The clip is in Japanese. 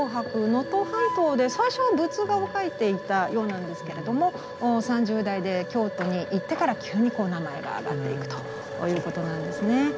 能登半島で最初は仏画を描いていたようなんですけれども３０代で京都に行ってから急に名前があがっていくということなんですね。